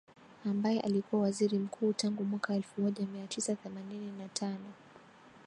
ambaye alikuwa Waziri Mkuu tangu mwaka elfu moja mia tisa themanini na tano